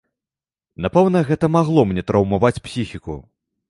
Напэўна, гэта магло мне траўмаваць псіхіку.